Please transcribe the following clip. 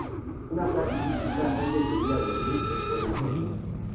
Una frase típica antes de ir a dormir es "buenas noches".